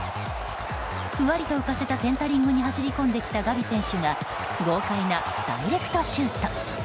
ふわりと浮かせたセンタリングに走り込んできたガヴィ選手が豪快なダイレクトシュート。